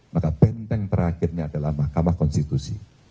maka benteng terakhirnya adalah mahkamah konstitusi